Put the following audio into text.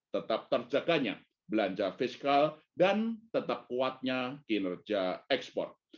tetap terjaganya belanja fiskal dan tetap kuatnya kinerja ekspor